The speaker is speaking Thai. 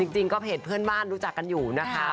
จริงก็เพจเพื่อนบ้านรู้จักกันอยู่นะคะ